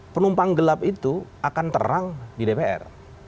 penumpang gelap itu akan terang di dpr